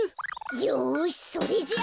よしそれじゃあ。